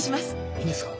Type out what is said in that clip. いいんですか？